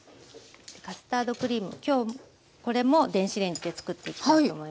カスタードクリーム今日これも電子レンジで作っていきたいと思います。